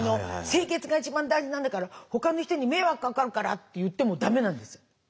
清潔が一番大事なんだからほかの人に迷惑がかかるから」って言ってもだめなんです。